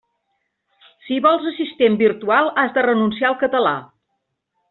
Si vols assistent virtual, has de renunciar al català.